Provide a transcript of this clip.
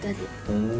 うん。